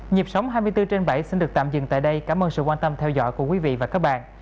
nhịp sống hai mươi bốn trên bảy xin được tạm dừng tại đây cảm ơn sự quan tâm theo dõi của quý vị và các bạn